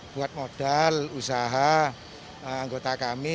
buat modal usaha anggota kami